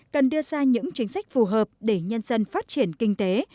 cần đưa ra những chính sách phù hợp để nhân dân phát triển kinh tế